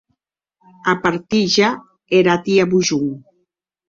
A partit ja era tia Bougon?